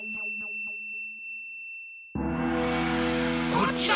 こっちだ！